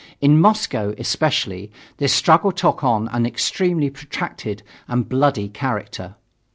In Moscow, especially, this struggle took on an extremely protracted and bloody character.